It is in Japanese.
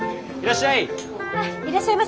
いらっしゃい！